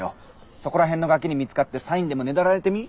そこら辺のガキに見つかってサインでもねだられてみ？